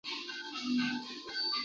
天目东路的辟筑始于清朝末年。